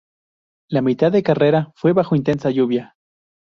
La mitad de carrera fue bajo intensa lluvia.